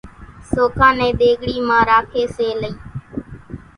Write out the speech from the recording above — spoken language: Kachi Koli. سوکان نين ۮيڳري مان راکي سي لئي